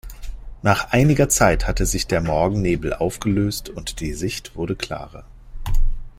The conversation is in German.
Nach einiger Zeit hatte sich der Morgennebel aufgelöst und die Sicht wurde klarer.